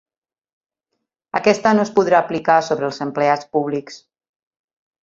Aquesta no es podrà aplicar sobre els empleats públics.